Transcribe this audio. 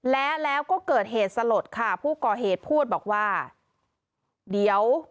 และแล้วก็เกิดเหตุสลดค่ะผู้ก่อเหตุพูดบอกว่าเดี๋ยว